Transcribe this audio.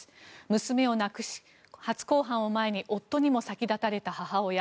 娘を亡くし、初公判を前に夫にも先立たれた母親。